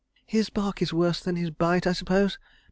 .." "His bark is worse than his bite, I suppose?"